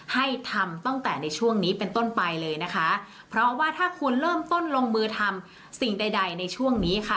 ให้ทำตั้งแต่ในช่วงนี้เป็นต้นไปเลยนะคะเพราะว่าถ้าคุณเริ่มต้นลงมือทำสิ่งใดใดในช่วงนี้ค่ะ